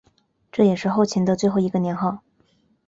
这也是后秦的最后一个年号。